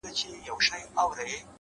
روښانه موخې روښانه لارې پیدا کوي،